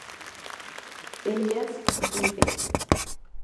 ellas viven